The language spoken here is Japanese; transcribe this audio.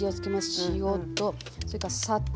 塩とそれから砂糖。